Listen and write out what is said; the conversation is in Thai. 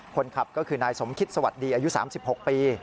คนขับก็คือนายสมคิตสวัสดีอายุ๓๖ปี